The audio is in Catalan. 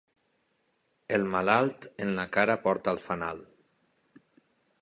El malalt, en la cara porta el fanal.